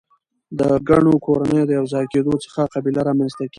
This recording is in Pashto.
د ګڼو کورنیو د یو ځای کیدو څخه قبیله رامنځ ته کیږي.